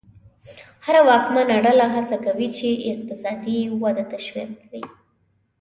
هره واکمنه ډله هڅه کوي چې اقتصادي وده تشویق کړي.